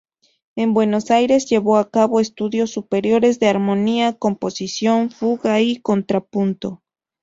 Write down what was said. En Buenos Aires llevó a cabo estudios superiores de armonía, composición, fuga y contrapunto.